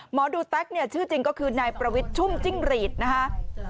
หมอดูแต๊กชื่อจริงก็คือในประวิจชุมจิ้งรีดนะฮะ